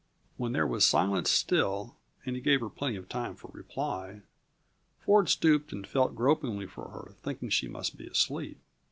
When there was silence still and he gave her plenty of time for reply Ford stooped and felt gropingly for her, thinking she must be asleep.